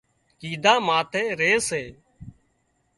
ڪيڌا ماٿي ري سي